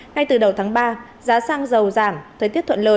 ngay từ đầu tháng ba giá xăng dầu giảm thời tiết thuận lợi